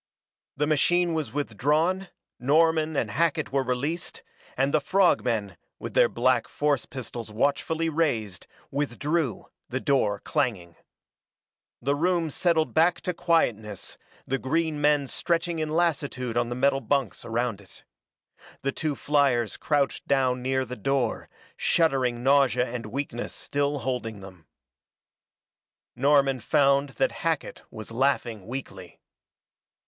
The machine was withdrawn, Norman and Hackett were released, and the frog men, with their black force pistols watchfully raised, withdrew, the door clanging. The room settled back to quietness, the green men stretching in lassitude on the metal bunks around it. The two fliers crouched down near the door, shuddering nausea and weakness still holding them. Norman found that Hackett was laughing weakly.